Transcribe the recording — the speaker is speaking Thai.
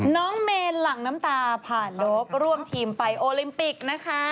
น้องเมนหลั่งน้ำตาผ่านโลกร่วมทีมไปโอลิมปิกนะคะ